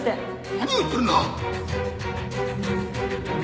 何を言っとるんだ！